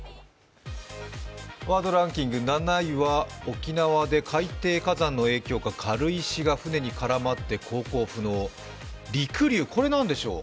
ワードランキング７位は沖縄で海底火山の影響か、軽石が船に絡まって航行不能、りくりゅう、これ、何でしょうか？